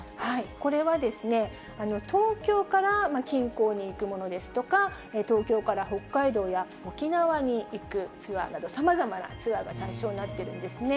これは、東京から近郊に行くものですとか、東京から北海道や沖縄に行くツアーなど、さまざまなツアーが対象になってるんですね。